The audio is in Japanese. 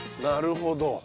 なるほど。